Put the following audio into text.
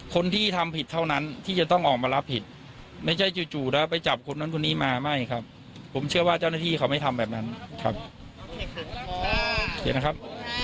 คนที่ทำผิดเท่านั้นที่จะต้องออกมารับผิดไม่ใช่จู่แล้วไปจับคนนั้นคนนี้มาไม่ครับผมเชื่อว่าเจ้าหน้าที่เขาไม่ทำแบบนั้นครับเดี๋ยวนะครับ